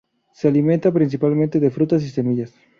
Se alimenta principalmente de frutas y semillas.